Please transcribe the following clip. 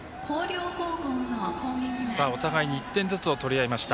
お互いに１点ずつを取り合いました。